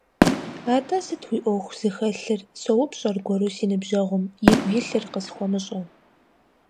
Атӏэ, сыт уи ӏуэху зыхэлъыр - соупщӏ аргуэру си ныбжьэгъум, игу илъыр къысхуэмыщӏэу.